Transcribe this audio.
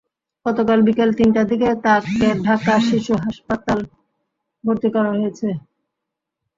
গতকাল বিকেল তিনটার দিকে তাকে ঢাকা শিশু হাসপাতালে ভর্তি করা হয়।